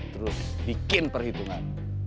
terus bikin perhitungan